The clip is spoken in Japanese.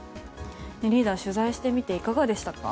リーダー取材してみていかがでしたか？